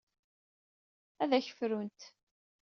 Ad akk frunt.